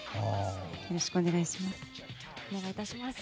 よろしくお願いします。